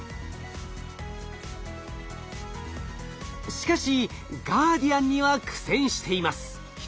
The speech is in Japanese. しかしガーディアンには苦戦しています。